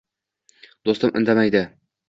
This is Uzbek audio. Do’stim indamaydi